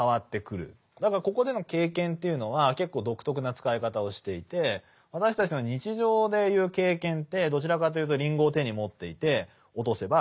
だからここでの経験というのは結構独特な使い方をしていて私たちの日常でいう経験ってどちらかというとりんごを手に持っていて落とせばりんごが落ちる。